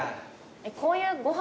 こういうご飯